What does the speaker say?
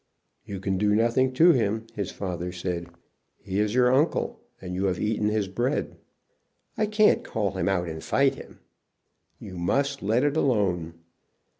"You can do nothing to him," his father said. "He is your uncle, and you have eaten his bread." "I can't call him out and fight him." "You must let it alone."